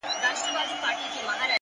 نوره سپوږمۍ راپسي مه ږغـوه _